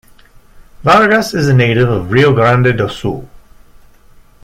Vargas is a native of Rio Grande do Sul.